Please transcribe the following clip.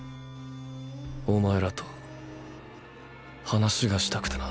お前らと話がしたくてな。